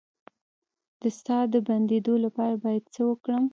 د ساه د بندیدو لپاره باید څه وکړم؟